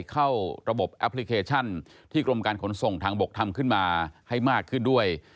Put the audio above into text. เข้าระบบแอปพลิเคชันที่กรมการขนส่งทางบกทำขึ้นมาให้มากขึ้นด้วย